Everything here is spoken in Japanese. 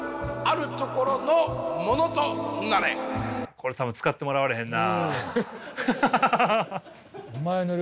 これ多分使ってもらわれへんな。